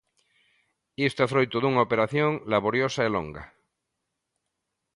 Isto é froito dunha operación laboriosa e longa.